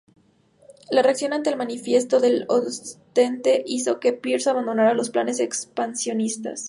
La reacción ante el Manifiesto de Ostende hizo que Pierce abandonara los planes expansionistas.